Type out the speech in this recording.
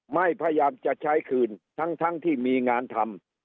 พยายามจะใช้คืนทั้งที่มีงานทำ